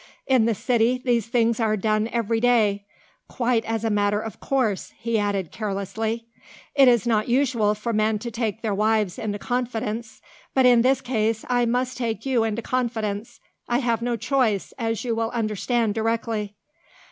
In the City these things are done every day. Quite as a matter of course," he added carelessly. "It is not usual for men to take their wives into confidence, but in this case I must take you into confidence: I have no choice, as you will understand directly."